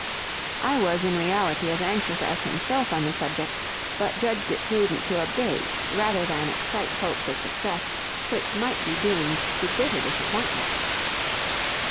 I was in reality as anxious as himself on the subject, but judged it prudent to abate rather than excite hopes of success which might be doomed to bitter disappointment.